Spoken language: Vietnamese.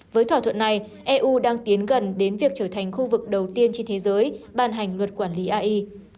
với thỏa thuận này eu đang tiến gần đến việc trở thành khu vực đầu tiên trên thế giới ban hành luật quản lý ai